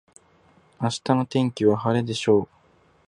明日の天気は晴れでしょう。